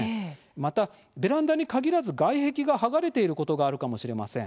またベランダに限らず外壁が剥がれていることがあるかもしれません。